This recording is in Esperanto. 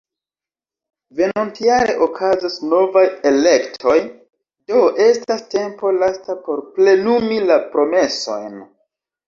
Venontjare okazos novaj elektoj, do estas tempo lasta por plenumi la promesojn.